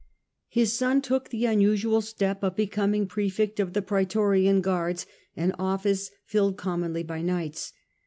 His son took the unusual step of becoming praefect of the praetorian guards, an office filled commonly by knights.